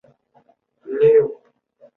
凯尔西的蒙克拉人口变化图示